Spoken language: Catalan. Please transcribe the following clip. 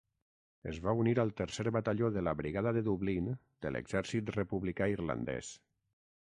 Es va unir al Tercer Batalló de la Brigada de Dublín de l'Exèrcit Republicà Irlandès.